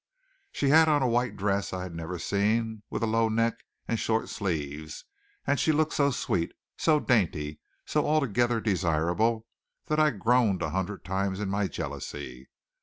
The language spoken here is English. She had on a white dress I had never seen with a low neck and short sleeves, and she looked so sweet, so dainty, so altogether desirable, that I groaned a hundred times in my jealousy.